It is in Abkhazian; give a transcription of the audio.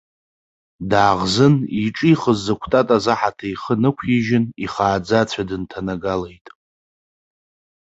Дааӷзын иҿихыз зықәтатаз аҳаҭа ихы нықәижьын ихааӡа ацәа дынҭанагалеит.